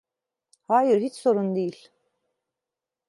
Hayır, hiç sorun değil.